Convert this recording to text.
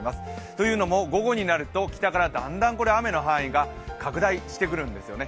というのも午後になると北からだんだん雨の範囲が拡大してくるんですよね。